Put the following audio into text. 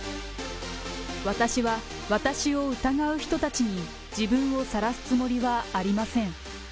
私は、私を疑う人たちに自分をさらすつもりはありません。